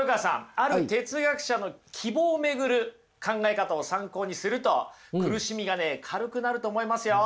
ある哲学者の希望を巡る考え方を参考にすると苦しみがね軽くなると思いますよ。